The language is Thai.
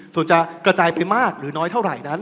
ส่วนจะกระจายไปมากหรือน้อยเท่าไหร่นั้น